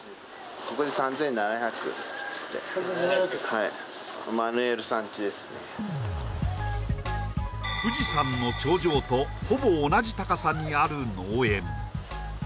はい富士山の頂上とほぼ同じ高さにある農園